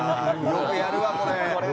よくやるわ、これ。